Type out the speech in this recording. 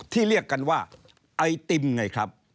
เรียกกันว่าไอติมไงครับ